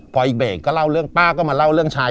พออีกเบรกก็เล่าเรื่องป้าก็มาเล่าเรื่องชาย